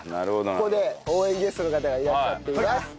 ここで応援ゲストの方がいらっしゃっています。